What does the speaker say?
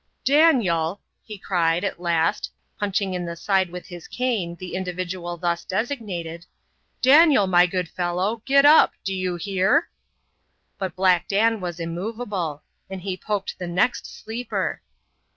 ^* Daniel," he cried, at last, punching in the side with his cane, the individual thus designated — "Daniel, my good fel low, get up ! do you hear ?" But Black Dan was immovable ; and he poked the next sleeper.